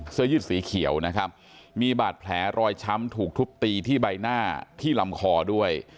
เสื้อยืดสีเขียวนะครับมีบาดแผลรอยช้ำถูกทุบตีที่ใบหน้าที่ลำคอด้วย